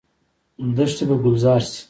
دښتې به ګلزار شي.